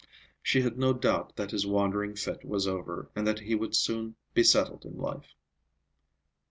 She had no doubt that his wandering fit was over, and that he would soon be settled in life.